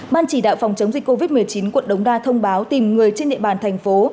ban chỉ đạo phòng chống dịch covid một mươi chín quận đống đa thông báo tìm người trên địa bàn thành phố